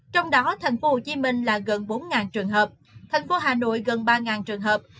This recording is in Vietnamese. trong đó thành phố hồ chí minh là gần bốn trường hợp thành phố hà nội gần ba trường hợp